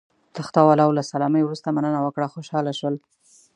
تخته والاو له سلامۍ وروسته مننه وکړه، خوشاله شول.